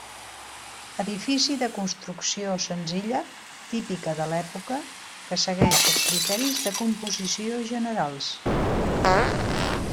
Edifici de construcció senzilla, típica de l'època, que segueix els criteris de composició generals.